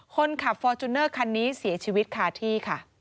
คนขับฟอร์จูเนอร์คันนี้เสียชีวิตคาที่ค่ะ